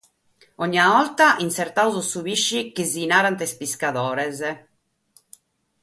Ònnia borta insertamus su pische chi nos narant is piscadores.